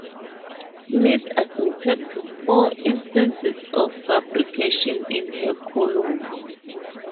Smith admitted to four instances of fabrications in her columns.